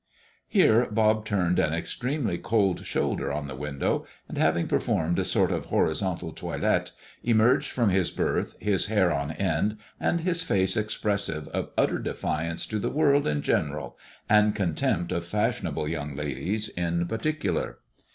Here Bob turned an extremely cold shoulder on the window, and having performed a sort of horizontal toilet, emerged from his berth, his hair on end, and his face expressive of utter defiance to the world in general, and contempt of fashionable young ladies in particular.